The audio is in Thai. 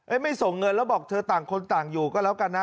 ไม่ส่งเงินแล้วบอกเธอต่างคนต่างอยู่ก็แล้วกันนะ